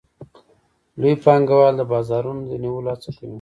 لوی پانګوال د بازارونو د نیولو هڅه کوي